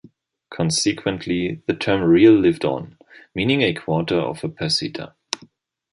Consequently, the term real lived on, meaning a quarter of a peseta.